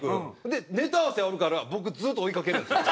でネタ合わせあるから僕ずっと追いかけるんですよ。